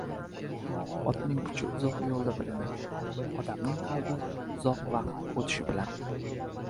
• Otning kuchi uzoq yo‘lda bilinadi, odamning qalbi — uzoq vaqt o‘tishi bilan.